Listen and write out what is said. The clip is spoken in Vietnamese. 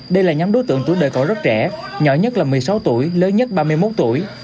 đây là nhóm đối tượng tuổi đời còn rất trẻ nhỏ nhất là một mươi sáu tuổi lớn nhất ba mươi một tuổi